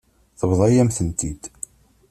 Tebḍa-yam-tent-id.